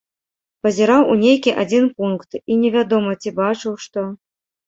Пазіраў у нейкі адзін пункт, і невядома, ці бачыў што.